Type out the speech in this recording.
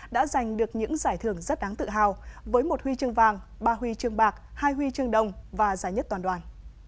đã giành được những giải thưởng rất đáng tự hào với một huy chương vàng ba huy chương bạc hai huy chương đồng và giải nhất toàn đoàn